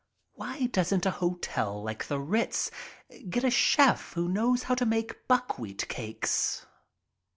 Why doesn't a hotel like the Ritz get a chef who knows how to make buckwheat cakes?